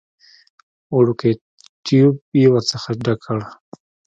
وړوکی ټيوب يې ورڅخه ډک کړ.